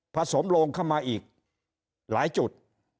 สมโลงเข้ามาอีกหลายจุด